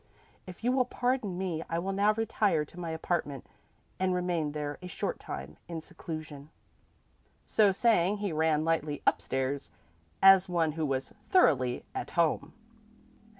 If you will pardon me, I will now retire to my apartment and remain there a short time in seclusion." So saying, he ran lightly upstairs, as one who was thoroughly at home.